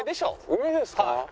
梅ですか？